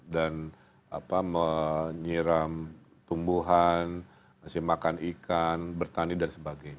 dan nyiram tumbuhan makan ikan bertani dan sebagainya